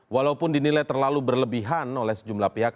walaupun dinilai terlalu berlebihan oleh sejumlah pihak